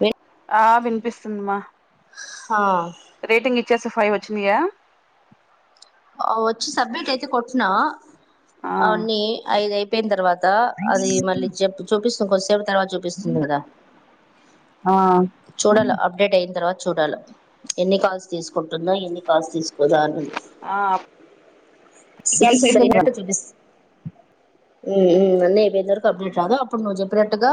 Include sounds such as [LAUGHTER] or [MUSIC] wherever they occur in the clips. D ఆ వినిపిస్తుందిమ్మా. ఆ ఇద్ చ్చేస్తే ఫైవ్ వచ్చినయ? వచ్చి సబ్మెట్ అయితే కొట్న. ఆ అవన్నీ ఐదు అయిపోయిన తర్వాత్ త అది మళ్ళీ చెప్ చూపిస్తుంద్, కొద్దిసేపు తర్వాత చూపిస్తుంది గాదా. ఆ చూడాల అప్డేట్ అయిన తర్వాత చూడాల. ఎన్ని కాల్స్ తీసుకుంటుందా, ఎన్ని కాల్స్ తీసుకోదా అన్నది. సిక్స్ ఉమ్ సైనట్టు చూపిస్ ఉమ్ ఉమ్ అన్ని అయిపోయిన్ తర్వాత అప్డేట్ రాదా. అప్పుడు నువ్వు చెప్పినట్టుగా.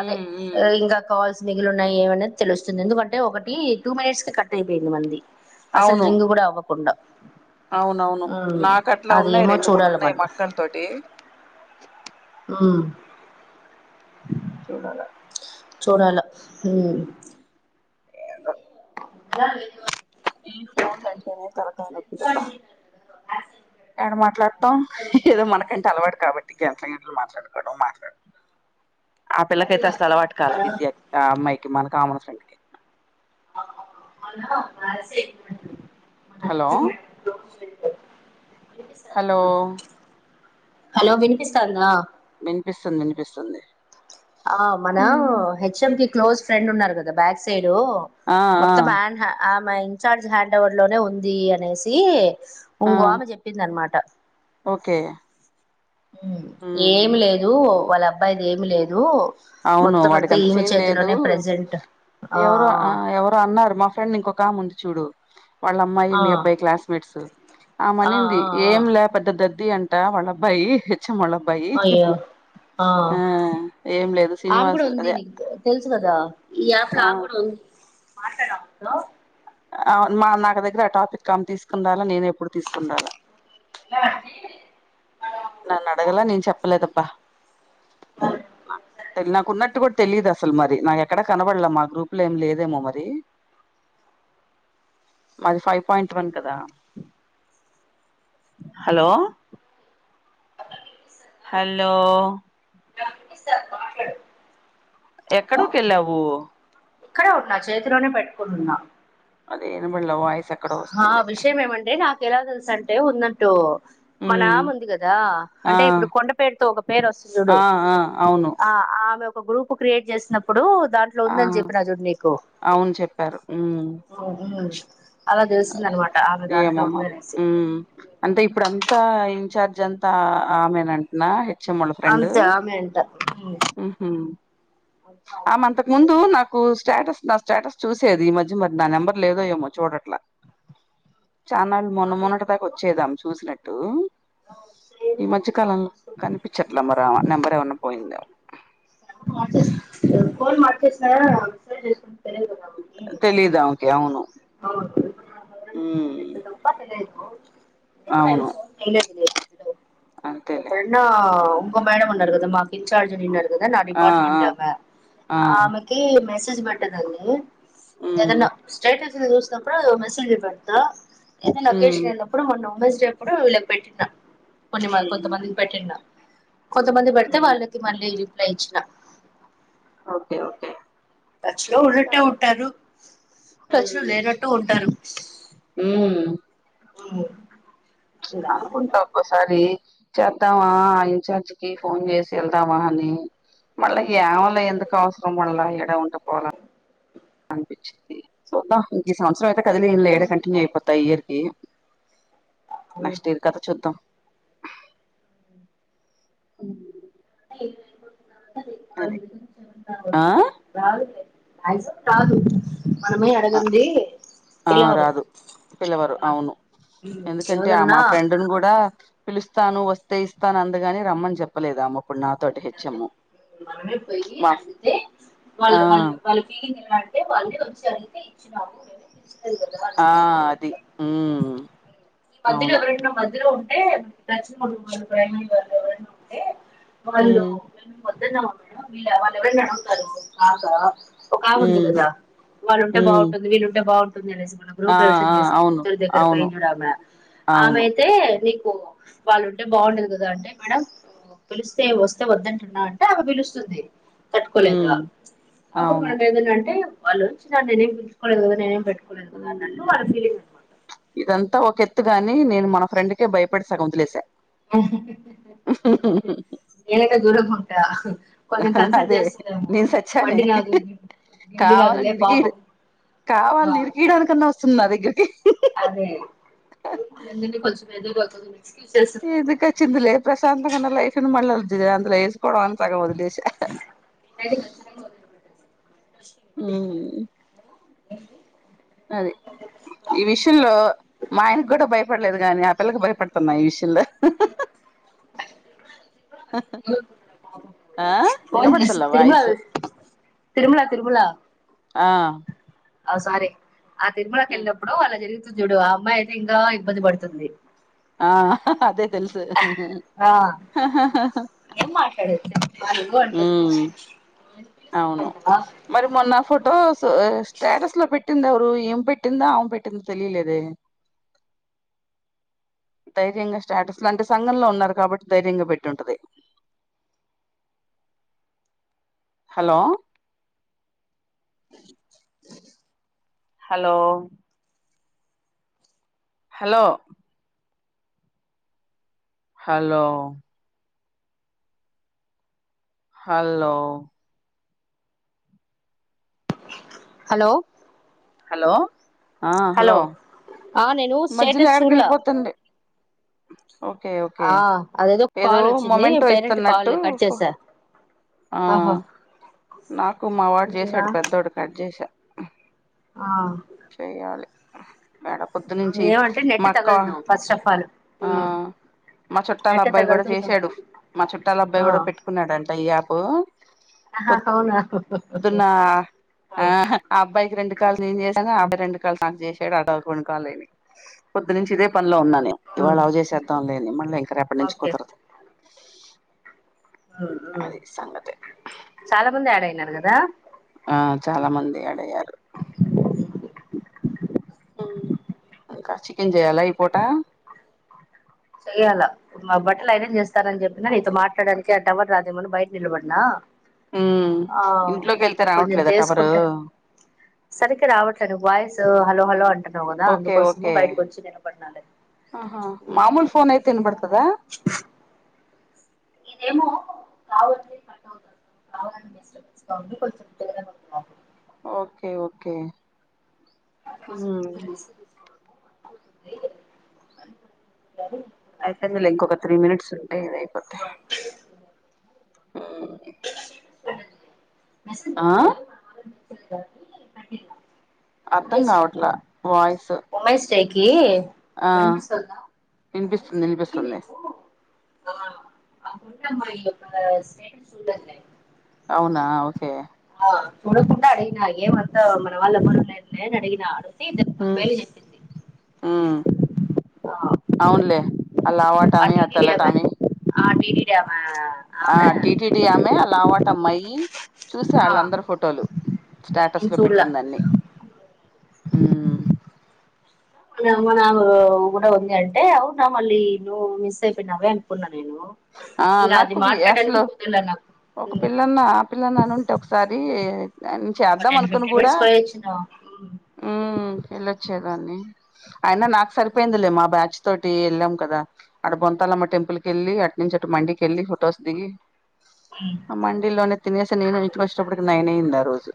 అదే ఉమ్ ఆ ఇంగా కాల్స్ మిగిలి ఉన్నాయి. ఏమనేది తెలుస్తుంది, ఎందుకంటే ఒకటి టూ మినిట్స్ కి కట్ అయిపోయింది మనది. అసల్ అవును రింగ్ కూడా అవ్వకుండా. అవునవును నాకట్లా అది ఉన్నాయి. ఏమో రెండు, మూడు చూడాలి ఉన్నాయి. మక్కల్ తోటి ఉమ్ చూడాల చూడాల ఉమ్ ఏందో గాల్ ఎటుపోత్ ఈ ఫోన్ అంటేనే తలకయానొప్పిదబ్బ ఎడ మాట్లాడ్తాం. ఏదో మనకంటే అలవాటు కాబట్ గంట్ల, గంటలు మాట్లాడుకోడం, మాట్లాడ్ ఆ పిల్లకి ఐతే అసలు అలవాటుకాల. విద్యకి ఆ అమ్మాయికి, మన కామన్ ఫ్రెండ్కి. మొన్న మ్యారేజ్ ఐపోయింది. హలో హలో హలో వినిపిస్తాందా వినిపిస్తుంది వినిపిస్తుంది ఆ మన హెచ్ఎం కి క్లోజ్ ఫ్రెండ్ ఉన్నారు కదా బ్యాక్ సైడ్ లో ఆ ఆ మొత్తం హండ్ ఆమె ఇన్చార్జ్ హ్యాండ్ ఓవర్ లోనే ఉంది అనేసి ఆ ఇంకో ఆమె చెప్పింది అనమాట ఓకే ఉమ్ ఏమి లేదు వాళ్ళ అబ్బాయిది ఏమిలే లేదు అవును మొత్తం అంతా ఈమె చేతిలోనే ప్రజెంట్ ఎవరు ఎవరో అన్నారు మా ఫ్రెండ్ ఇంకొకా చూడు వాళ్ళ అమ్మాయి ఆ మీ అబ్బాయి క్లాస్మేట్స్ ఆ మనింది ఏం లే పెద్ద ఇది అంటా వాళ్ల అబ్బాయి హెచమ్ వాళ్ళ అబ్బాయి అయ్యో ఆ ఏం లేదు ఆమె కూడా శ్రీనివాస్ ఉంది అదే నీకు తెలుసు కదా ఈ యాప్ ఆ ఆమె కూడా ఉంది హలో ఔ మా నాకు దగ్గర ఆ టాపిక్ కం తీస్కొని రాలా నేను ఎప్పుడు తీస్కొని రాలా నన్ను అడగల నేను చెప్పలేదబ్బా నా తె నాకున్నట్టు కొ తెలీదు అసలు మరి నాకు ఎక్కడ కనబడలా మా గ్రూప్ లో ఏమి లేదేమో మరి మాది ఫైవ్ పాయింట్ వన్ కదా హలో హలో [UNINTELLIGIBLE] ఎక్కడకి వెళ్ళావు ఇక్కడే ఉన్నా చేతిలోనే పెట్టుకోనున్నా అదే వినబళ్ళే వాయిస్ ఎక్కడో ఆ విషయం ఏమంటే నాకు ఎలా తెలుసంటే ఉన్నట్టు ఉమ్ మనామ ఉంది కదా ఆ అంటే ఇప్పుడు కొండ పేరుతో ఒక పేరు వస్తుంది చూడు ఆ ఆ అవును ఆ ఆమె ఒక గ్రూప్ క్రియేట్ చేసినప్పుడు దాంట్లో ఆ ఉందని చెప్పిన చూడు నీకు అవును చెప్పారు ఉమ్ అలా తెలిసింది అనమాట ఆమె దాంట్లో ఏమో మరి ఉందనేసి ఊ అంటే ఇప్పుడుంతా ఇన్ఛార్జ్ జంతా ఆమేనంటనా హె చ్చం మోళ్ల ఫ్రెండు అంతే ఆమె అంట ఉహు అంతా ఆమె ఆమంతకు ముందు చూసుకుంటది నాకు స్టేటస్ నా స్టేటస్ చూసేది ఈ మధ్య మరి నా నెంబర్ లేదో ఏమో చూడట్లా చానాళ్ళు మొన్న మొన్నటి దాకా వచ్చేదామే చూసినట్టు సేమ్ ఈ మధ్య ఒక్కొక్కసారి కాలంలో కనిపించట్ల మరావే చేసుకుంటున్నాను నెంబర్ ఏమన్నా పోయిందే [UNINTELLIGIBLE] తెలిదా ఆమేకి అవును అవును ఇప్పుడు తప్ప తెలియదు అవును [INAUDIBLE] అంతేలే ఎప్పుడన్నా ఉంకో మేడం ఉన్నారు కదా మాకు ఇంచర్జ్ నా ఆ ఆ డిపార్ట్మెంటే ఆమె ఆ ఆమెకి మెసేజ్ పెట్టేదాన్ని ఉమ్ ఏదన్న స్టేటస్లు చూసినప్పుడు మెసేజ్ పెడతా ఏదన్న ఉమ్ అకేషన్ ఉన్నప్పుడు మొన్న ఉమెన్స్ డే అప్పుడు వీళ్ళకి పెట్టిన కొన్ని మ ఉమ్ కొంతమందికి పెట్టిన కొంతమంది పెడితే వాళ్ళకి మళ్ళీ రిప్లై ఇచ్చిన ఓకే ఓకే టచ్ లో ఉన్నట్టే ఉంటారు టచ్ లో లేనట్టు ఉంటారు హూమ్ హుమ్ అనుకుంటా ఒక్కోసారి చేద్దామా ఆ ఇంచార్జి కి ఫోన్ చేేసి ఎళ్దామా అని. మళ్ళా యామోలే ఎందుకు అవసరం మళ్ళా ఈడే ఉంటే పోలా. అనిపించ్చిద్ది చూద్దాం ఇంక ఈ సంవత్సరం అయితే కదిలియ్యను లే, ఇక్కడే కంటిన్యూ ఐపోత ఈ ఇయర్ కీ. నెక్స్ట్ ఇయర్ కదా చూద్దాం. [INAUDIBLE] అది మ్యాక్సిమమ్ ఆ రాదు. మనమే ఆ అడగన్ది ఆ రాదు పిలవరు, అవును ఎందుకంటే ఆ ఎవరన్నా మా ఫ్రెండు ని కూడా పిలుస్తాను వస్తే ఇస్తాను అండుగాని రమ్మని చెప్పలేదామకు. అంటే హెచ్చెమ్ము మనమే పోయి అడిగితే వాళ్ళ ఆ వాళ్ళ వాళ్ళ ఫీలింగ్ ఎలా అంటే వాళ్ళే వచ్చి అడిగి తే ఇచ్చినాము మేమే ఆ పిలిచి అది ఉమ్ ఈ మధ్యలో అవును ఎవరైనా మధ్యలో ఉ టే [UNINTELLIGIBLE] వాళ్ళు [UNINTELLIGIBLE] వాళ్ళు ఎవరైనా ఉంటే వాళ్ళు ఉమ్ వె ద్దన్నామా మేడం వీళ్ళ వాళ్ళు ఎవరైనా అడుగుతారు బాగా ఒకామె ఉంది ఉమ్ కదా వాళ్ళుంటే ఉమ్ బావుంటుంది, వీళ్లుంటే బావుం టుంది అనేసి మొన్న ఆ గృహప్రవేశం ఆ చేసి అవును కూతురు దగ్గర అవును పోయింది చూడు ఆమె ఆమె అవును అయితే నీకు కు వాళ్ళు ఉంటే బావుండేది కదా అంటే మేడం ఆ పిలు వస్తే వద్దంటున్నా అంటే ఆమే పిలుస్తుంది. తట్టుకోలేక ఉమ్ అప్పుడు అవును మనము ఏమన్నా అంటే వాళ్ళు వచ్చినారు నేనేం పిలుచుకోలేదు కదా నేనేం పెట్టు కోలేదు కదా ఉమ్ అన్నట్టు వాళ్ళ ఫీలింగ్ అనమాట. ఇదంతా ఒక ఎత్తు గాని. నేను మన ఫ్రెండ్కే భయపడి సగం వదిలేసా. ఊ నేనైతే దూరంగా ఉంటా. వాళ్ళని కన్సల్ట్ అదే చేస్తుందేమో నేను సచ్చానే వండి కాదు గిండు కాదు లే పాపం. ఆ కావాలినీ ఇరీకియటానికన్నా వస్తుంది నా దగ్గరకి అదే ఎనిమిదింటి కొచ్చినా అయితే పక్కకు పోయి ఎందుకు అచ్చిందిలే ప్రశాంతంగా ఉన్న లైఫ్ ను మల్లా జం అందులో ఏస్ గొడవని సగం వదిలేశా. నేనైతే ఖచ్చితంగా వదిలిపెట్టను అది ఈ విషయంలో మా ఆయనకు కూడా భయపడలేదు కాని అ పిల్లకి భయపడతున్న ఈ విషయంలో ఏమనుకుంటాడో పాపం. ఆ ఫోన్ చేసి వినబడతలా తిరుమల వాయిస్ తిరుమల తిరుమల ఆ ఆ సరే ఆ తిరుమలకి ఎళ్ళినప్పుడు అలా జరిగి చూడు ఆ అమ్మాయి అయితే ఇంకా ఇబ్బంది పడుతుంది. ఆ అదే తెలుసు ఆ ఏం మాట్లాడారు చెప్ అడుగు అంటుంది. ఉమ్ అవును మరి మొన్న ఫోటోస్ స్టేటస్ లో పెట్టి పెట్టిందెవరు ఈమె పెట్టిందా ఆమె పెట్టిందా తెలిలేదె. ధైర్యంగా స్టాటస్ లాంటి సంఘంలో ఉన్నారు కాబట్టి ధైర్యంగా పెట్టి ఉంటది. Hello hello hello hello hello hello hello ఆ హలో ఆ నేను మధ్యలో స్టేటస్ యాడికి చూడలా ఎళ్ళిపోతుంది. ఓకే ఓకే ఆ అదేదో ఏదో కాల్ వచ్చింది మొమెంటో పేరెంట్ కాల్ ఇస్తున్నట్టు కట్ చేసా ఆ ఆహా నాకు మా వాడు చేశాడు పెద్దోడు కట్ చేసా. ఆ చేయాలి యాడ పొద్దునుంచి ఏమంటే నెట్ మా అక్కా తగలదు ఫస్ట్ ఆఫ్ ఆల్ ఆ ఉమ్ మా చుట్టాల నెట్ అబ్బాయి కూడా తగలదు ఇది. చేసాడు. మా చుట్టాల ఆ అబ్బాయి కూడా పెట్టుకున్నాడు అంట ఇ యాపూ ఆహా అవునా ఆ పొద్దున్న ఆ అబ్బాయికి రెండు కాలు నేను చేశాను ఆబ్బాయి రెండు కాళ్లు నాకు చేజ్ ఆట రొండు కాలేని పొద్దు నుంచి ఇదే పనిలో ఉన్నాను ఇవాళ ఉమ్ అవ చేసేద్దాం లేని మళ్ళీ ఇంక రేపటి నుంచి ఓకే కుతురుదు చాలా మంది యాడ్ అయినారు కదా ఆ చాలా మంది యాడ్ అయ్యారు హ్మ్ అంకా చికెన్ చేయలా ఈ పూటా చెయ్యాలా మా బట్టలు ఇరాన్ చేస్తానని చెప్పిన నీతో మాట్లాడానికి ఆ టవర్ రాదేమోని బయట నిలబడినా ఉమ్ ఆ ఇంట్లోకి వెళ్తే కొంచెం రావట్లేదా టవరు చేసుకుంటే సరికి రావట్ అ వాయిస్ హలో హలో అంటున్నావు కదా ఓకే అందుకోసము ఓకే బయటకు వచ్చి నిలబడనాలే ఆహా మామూలు ఫోన్ అయితే వినబడతదా ఏమో కావా [UNINTELLIGIBLE] ఓకే ఓకే ఉమ్ [UNINTELLIGIBLE] అయిపోయింది లే ఇంకొక త్రీ మినిట్స్ ఉంటే ఇది అయిపోయిద్ది ఉమ్ ఆ స [INAUDIBLE] అర్థం కావట్లా వాయిస్ ఉమెన్స్ డేకి ఆ వింపిస్తుందా వినిపిస్తుంది వినిపిస్తుంది అన్నమ్మా స్టేట్ల్లే అవునా ఓకే చూడకుండా అడిగిన ఏమంతా మన వాళ్ళ ఎవరు లేరు లే అని అడిగినా ఆడు ఉ ఉ ఆ అవునులే అలావా ఆ టామిీ అత టీటీడీ ఆమె టామిీ ఆ డీడి ఆ టీటిడీ ఆమె అలావాట అమ్మాయి చూసే ఆ వాళ్ళ అందరు ఫోటోలు స్టాటస్ నేను లో చూడలా పెట్టిందన్ని ఉమ్ మ మన కూడా ఉంది అంటే అవునా మళ్ళీ నువ్వు మిస్ అయిపోయినవే అనుకున్నా నేను ఆ ఇంకా అది నాకు వి- మాట్లాడది అసలు కుదల నాకు ఒక పిల్లన్న ఆ పిల్లన్న అని ఉంటే ఒకసారి చేద్దాం అనుకుని కూడా ఆ ఉ వేళ్ళొచ్చేదాన్ని అయినా నాకు సరిపోయిందిలే మా బ్యాచ్ తోటి వెళ్ళాం కదా అడ బొంతాలమ్మ టెంపుల్ క వెళ్ళి అ నుచి అటు మండికి వెళ్లి ఫొటోస్ దిగి ఆ మండీలోనే తినేసి నేను ఇంటికి వచ్చేటప్పటికి నైన్ అయంది ఆ రోజు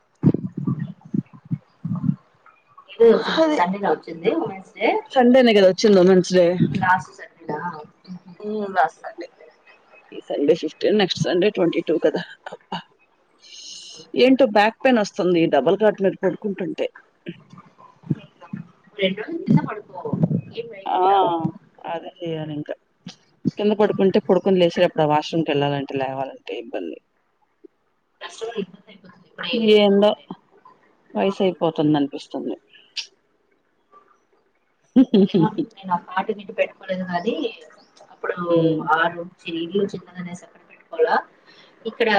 ఇదే రోజు అదే సండే నా వచ్చింది విమెన్స్ డే సండేనే కదా లాస్ట్ సండే నా నీళ్ళు వస్తడాయి ఈ Sunday fifteen next Sunday twenty two కదా అబ్బ ఏంటో బ్యాక్ పెయిన్ వస్తుంది డబల్ కార్డ్ మీద పడుకుంటుంటే రెండ రోజులు కింద పడుకో ఏం వేయకుంట ఆ అదే చెయ్యాలి ఇంకా కింద పడుకుంటే పడుకొని లేసిారు అప్పుడు ఆ వాష్రూమ్ క వెళ్ళాలంటే ఎట్లా ఏమనంటే ఇబ్బంది [UNINTELLIGIBLE] మీ ఇప్పుడే ఏందో ఉంటే వయసు అయిపోతుంది అనిపిస్తుంది నేను ఆ పాటి మీట్ పెట్టుకోలేదు కాది అప్పుడు ఆ రో ఇళ్లు చిన్నదనేసి ఎక్కడ పెట్టుకోవాల ఇక్కడ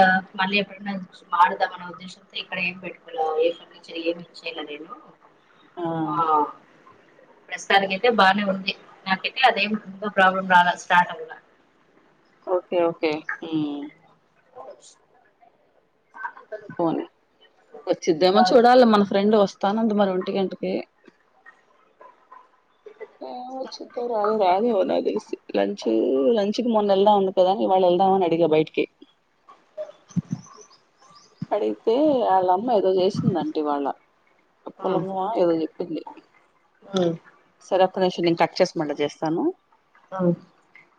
మళ్ళీ ఎప్పుడన్నా మాడదాం అన్న ఉద్దేశంతో ఇక్కడ ఏం పెట్టుకో ఏ ఫర్నిచర్ ఏమి ఇచ్చేయలే నేను ఆ ప్రస్తుతానికైతే బానే ఉంది, నాకైతే అదేమిందో ప్రాబ్లం రాల స్టార్ట్ అవ్వలా ఓకే ఓకే ఉమ్ అ పోనీ ఇప్పుడు వచ్చిద్దేమో కాదు చూడాలి, మన ఫ్రెండ్ వస్తానంది మరి ఒంటి గంటకి ఆ వ చిక్క ర్యాలీ రాదేమో నా తెలిసి లంచ్ లంచకి మొన్న ఎళ్దాం అంది కద, ఇవాళ ఎళ్దాం అని అడిగా బయటికి అడిగితే వాళ్ళ ఆ అప్పులమ్మ ఏదో చెప్పింది, సిరప్ ఒక నిమిషం నేను కట్ చేసి మల్ల చేస్తాను. అ